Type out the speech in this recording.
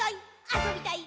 あそびたい！